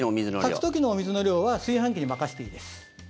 炊く時のお水の量は炊飯器に任せていいです。